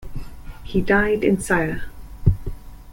He died in Sayre.